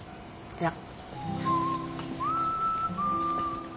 じゃあ。